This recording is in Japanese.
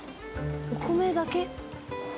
お米だけ？